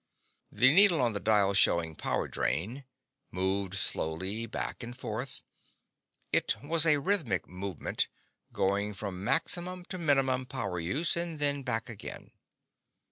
The needle on the dial showing power drain moved slowly back and forth. It was a rhythmic movement, going from maximum to minimum power use, and then back again.